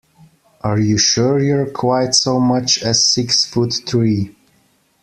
Are you sure you're quite so much as six foot three?